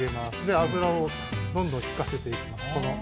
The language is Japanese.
油をどんどんひかせていきます。